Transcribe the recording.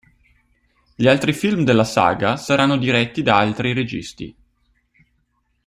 Gli altri film della saga saranno diretti da altri registi.